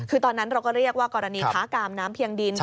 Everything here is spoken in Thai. คือตอนนั้นเราก็เรียกว่ากรณีค้ากามน้ำเพียงดิน